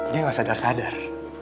dia gak sadar sadar